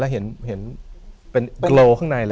เห็นเกลาข้างในเลย